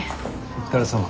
お疲れさま。